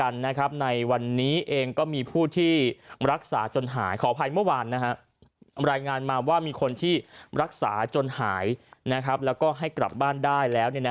รายงานมาว่ามีคนที่รักษาจนหายแล้วก็ให้กลับบ้านได้แล้ว